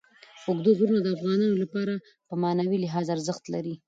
اوږده غرونه د افغانانو لپاره په معنوي لحاظ ارزښت لري.